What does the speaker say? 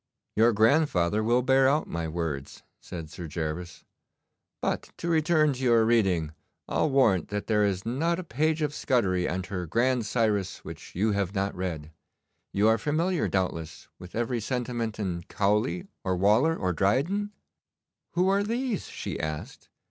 'Your grandfather will bear out my words,' said Sir Gervas. 'But to return to your reading, I'll warrant that there is not a page of Scudery and her "Grand Cyrus" which you have not read. You are familiar, doubtless, with every sentiment in Cowley, or Waller, or Dryden?' 'Who are these?' she asked.